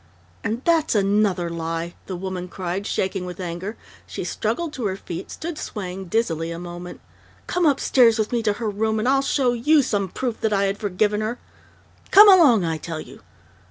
"And that's another lie!" the woman cried, shaking with anger. She struggled to her feet, stood swaying dizzily a moment. "Come upstairs with me to her room, and I'll show you some proof that I had forgiven her!... Come along, I tell you!...